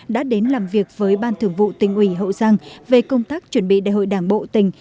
đã đến làm việc với ban thường vụ tỉnh ủy hậu giang về công tác chuẩn bị đại hội đảng bộ tỉnh